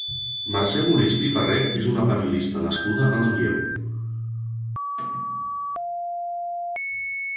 Mercè Molist i Ferrer és una periodista nascuda a Manlleu.